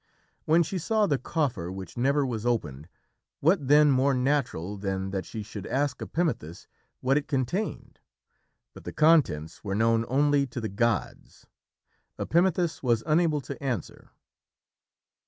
When she saw the coffer which never was opened, what then more natural than that she should ask Epimethus what it contained? But the contents were known only to the gods. Epimethus was unable to answer.